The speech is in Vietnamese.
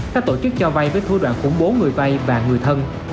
các tổ chức cho vay với thu đoạn khủng bố người vay và người thân